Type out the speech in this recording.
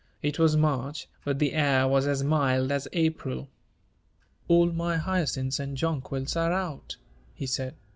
It was March, but the air was as mild as April. "All my hyacinths and jonquils are out," he said.